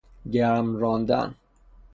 گرم راندن